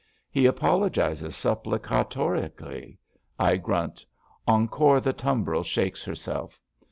He apologises supplicatorically. I grunt. Encore the tumbril shakes herself.